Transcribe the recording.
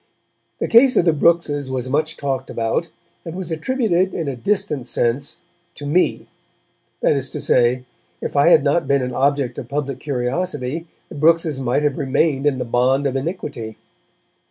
The case of the Brookses was much talked about, and was attributed, in a distant sense, to me; that is to say, if I had not been an object of public curiosity, the Brookses might have remained in the bond of iniquity.